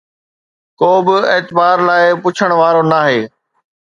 ڪو به اعتبار لاءِ پڇڻ وارو ناهي.